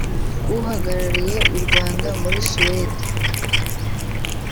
uhagarariye u Rwanda muri Suède